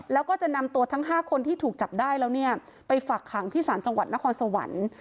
แล้วก็จะนำตัวทั้ง๕คนที่ถูกจับได้แล้วเนี่ยไปฝักขังที่ศาลจังหวัดนครสวรรค์